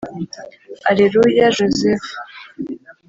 Areruya Joseph